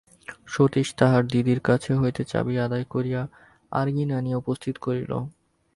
সতীশ তাহার দিদির কাছ হইতে চাবি আদায় করিয়া আর্গিন আনিয়া উপস্থিত করিল।